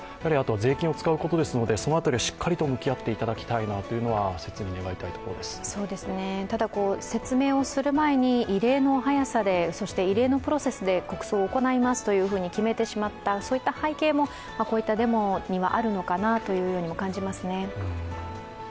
税金を使うことですのでその辺りはしっかり向かい合っていただきたいことはただ、説明をする前に異例の速さで、そして異例のプロセスで国葬を行いますと決めてしまった、そういった背景もこういったデモにはあるのかなと感じますね。